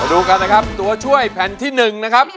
ดูกันนะครับตัวช่วยแผ่นที่๑นะครับ